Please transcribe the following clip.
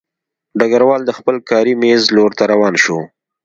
ډګروال د خپل کاري مېز لور ته روان شو